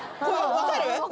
分かる？